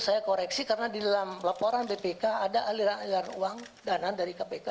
saya koreksi karena di dalam laporan bpk ada aliran aliran uang danan dari bpk perlu disuburkan